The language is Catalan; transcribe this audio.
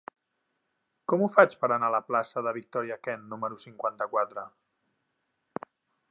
Com ho faig per anar a la plaça de Victòria Kent número cinquanta-quatre?